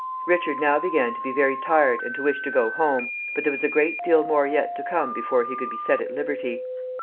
Richard now began to be very tired and to wish to go home, but there was a great deal more yet to come before he could be set at liberty.